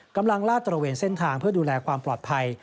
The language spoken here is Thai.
ลาดตระเวนเส้นทางเพื่อดูแลความปลอดภัย